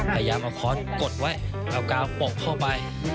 พยายามเอาค้อนกดไว้เอากาวปกเข้าไป